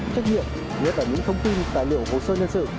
trách nhiệm nhất là những thông tin tài liệu hồ sơ nhân sự